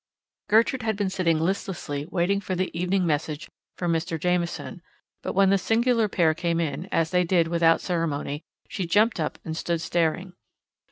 Gertrude had been sitting listlessly waiting for the evening message from Mr. Jamieson, but when the singular pair came in, as they did, without ceremony, she jumped up and stood staring.